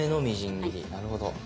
なるほど。